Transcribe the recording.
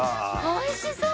おいしそう！